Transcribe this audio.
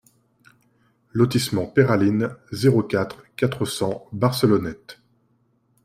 Lotissement Peyralines, zéro quatre, quatre cents Barcelonnette